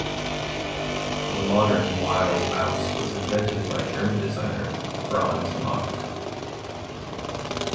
The modern Wild Mouse was invented by German designer Franz Mack.